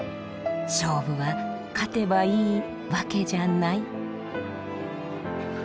勝負は勝てばいいわけじゃない。